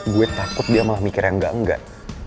gue takut dia malah mikir yang gak enggak